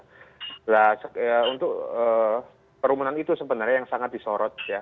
nah untuk perumunan itu sebenarnya yang sangat disorot ya